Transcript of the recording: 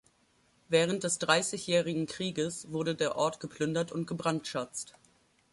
Während des Dreissigjährigen Krieges wurde der Ort geplündert und gebrandschatzt.